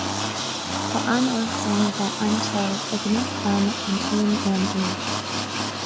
Tá an-áthas orm a bheith anseo i gCnocán an Éin Fhinn inniu